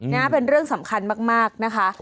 นี่เป็นเรื่องสำคัญมากนะคะ